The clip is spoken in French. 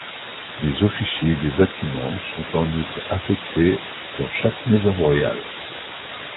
Des officiers des Bâtiments sont en outre affectés dans chaque maison royale.